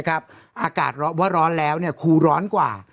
อากาศว่าร้อนแล้วครูร้อนกว่า